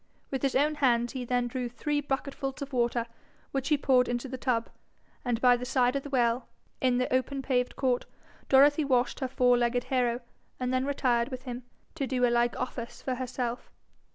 With his own hands he then drew three bucketfuls of water, which he poured into the tub, and by the side of the well, in the open paved court, Dorothy washed her four legged hero, and then retired with him, to do a like office for herself.